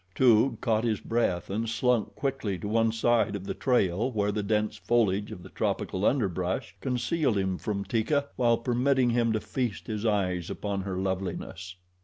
Toog caught his breath and slunk quickly to one side of the trail where the dense foliage of the tropical underbrush concealed him from Teeka while permitting him to feast his eyes upon her loveliness.